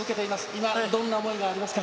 今、どんな思いがありますか？